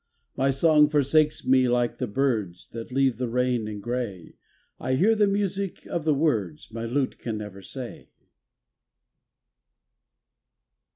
My song forsakes me like the birds That leave the rain and grey, I hear the music of the words My lute can never say.